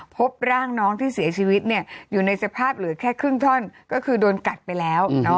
พบร่างน้องที่เสียชีวิตอยู่ในสภาพเหลือแค่ครึ่งท่อนก็คือโดนกัดไปแล้ว